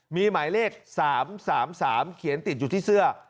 มีหมายเลข๓๓เขียนติดอยู่ที่เสื้อ